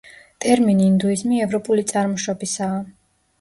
ტერმინი ინდუიზმი ევროპული წარმოშობისაა.